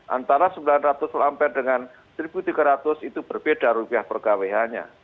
antara sembilan ratus v ampere dengan seribu tiga ratus v itu berbeda rupiah per kwh nya